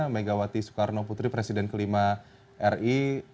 megawati soekarno putri presiden ke lima ri